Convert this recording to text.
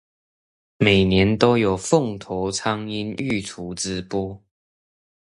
每年都有鳳頭蒼鷹育雛直播